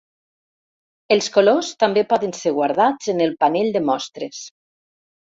Els colors també poden ser guardats en el panell de mostres.